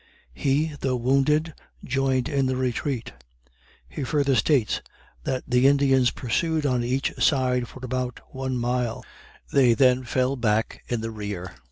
He, though wounded, joined in the retreat. He further states "that the Indians pursued on each side for about one mile, they then fell back in the rear."